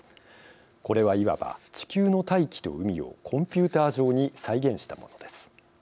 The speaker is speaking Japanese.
これはいわば地球の大気と海をコンピューター上に再現したものです。